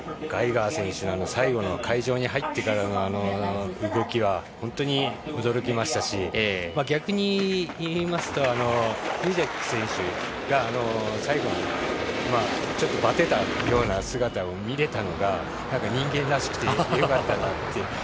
ガイガー選手最後の会場に入ってからの動きは本当に驚きましたし逆に言いますとルゼック選手が最後ちょっとバテたような姿を見れたのが人間らしくて良かったなって。